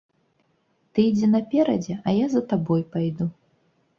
Ты ідзі наперадзе, а я за табой пайду.